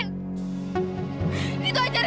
ngapain sih lo masih kejar dia